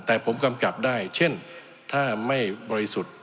แต่ผมกำกับได้เช่นถ้าไม่บริสุทธิ์